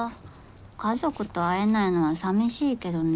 家族と会えないのは寂しいけどね。